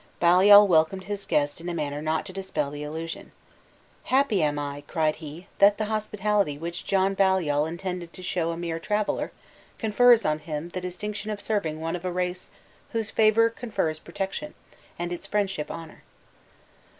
Baliol welcomed his guest in a manner not to dispel the illusion. "Happy am I," cried he, "that the hospitality which John Baliol intended to show to a mere traveler, confers on him the distinction of serving one of a race whose favor confers protection, and its friendship honor."